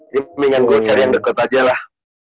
jadi pengen gua cari yang deket aja lah